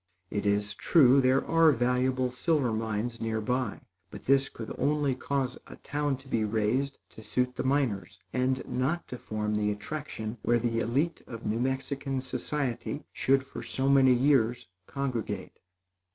It is true there are valuable silver mines near by; but this could only cause a town to be raised to suit the miners and not to form the attraction where the élite of New Mexican society should for so many years congregate.